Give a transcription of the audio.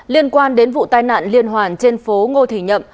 liên quan đến vụ tai nạn liên hoàn trên phố ngô thị nhậm